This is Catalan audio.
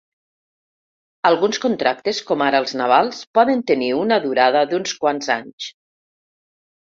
Alguns contractes, com ara els navals, poden tenir una durada d’uns quants anys.